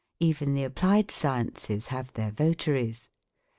Even the applied sciences have their votaries.